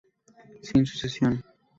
Sin sucesión.